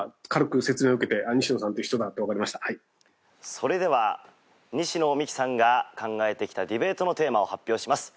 それでは西野未姫さんが考えてきたディベートのテーマを発表します。